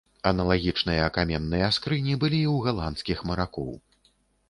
Аналагічныя каменныя скрыні былі і ў галандскіх маракоў.